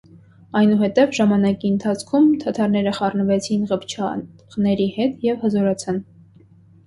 Այնուհետև (ժամանակի ընթացքում), թաթարները խառնվեցին ղփչաղների հետ և հզորացան։